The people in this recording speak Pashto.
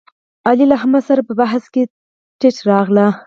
علي له احمد سره په بحث کې تت راغلی.